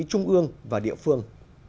trung ương và địa phương